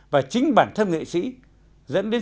và chính bản thân nghệ sĩ dẫn đến